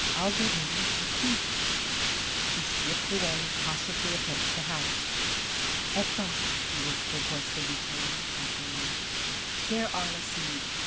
Ay'll go und take a beek." He slipped away and cautiously approached the house. "Et's all right," he whispered, hoarsely, returning after a moment; "dere all asleeb.